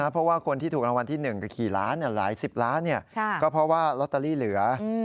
เพราะว่าคนที่ถูกรางวัลที่๑กับขี่ล้านหลายสิบล้านก็เพราะว่าลอตเตอรี่เหลือ